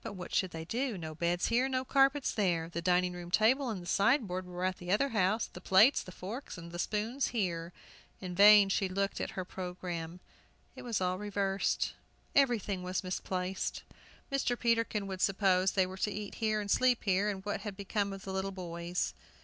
But what should they do? no beds here, no carpets there! The dining room table and sideboard were at the other house, the plates, and forks, and spoons here. In vain she looked at her programme. It was all reversed; everything was misplaced. Mr. Peterkin would suppose they were to eat here and sleep here, and what had become of the little boys?